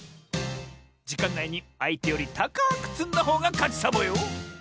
じかんないにあいてよりたかくつんだほうがかちサボよ！